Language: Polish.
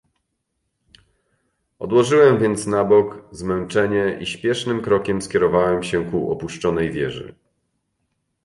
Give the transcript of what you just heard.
"Odłożyłem więc na bok zmęczenie i śpiesznym krokiem skierowałem się ku opuszczonej wieży."